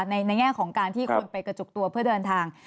ในแง่ของการที่คนไปกระจุกตัวเพื่อเดินทาง